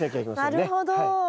なるほど。